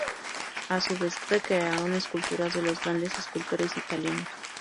A su vez recrearon esculturas de los grandes escultores italianos.